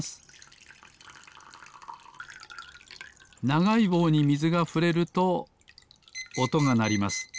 ながいぼうにみずがふれるとおとがなります。